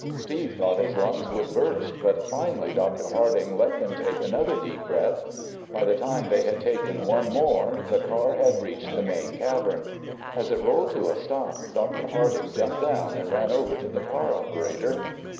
Steve thought his lungs would burst, but finally Dr. Harding let them take another deep breath. By the time they had taken one more, the car had reached the main cavern. As it rolled to a stop, Dr. Harding jumped down and ran over to the car operator.